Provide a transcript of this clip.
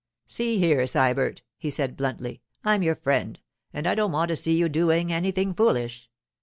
'See here, Sybert,' he said bluntly, 'I'm your friend, and I don't want to see you doing anything foolish.